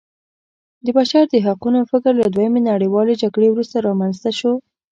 د بشر د حقونو فکر له دویمې نړیوالې جګړې وروسته رامنځته شو.